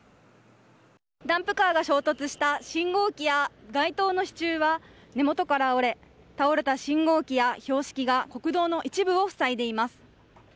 ダンプカーが衝突した信号機や街灯の支柱は根元から折れ倒れた信号機や標識が国道の一部を塞いでいます。